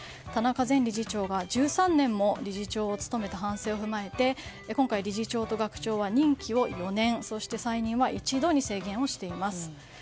田中前理事長が１３年も理事長を務めた反省を踏まえて今回、理事長と学長は任期を４年、そして再任は１度に制限をしています。